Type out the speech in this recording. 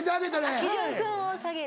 あっ基準君を下げる。